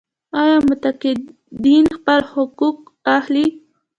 آیا متقاعدین خپل حقوق اخلي؟